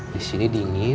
di sini dingin